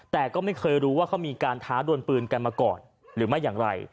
แต่ก็ไม่เคยรู้ว่าเขามีการท้าดวนปืนกันมาก่อนหรือไม่อย่างไร